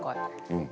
うん。